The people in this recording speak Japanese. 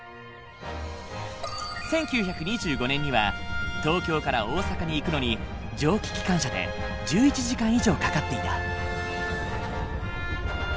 １９２５年には東京から大阪に行くのに蒸気機関車で１１時間以上かかっていた。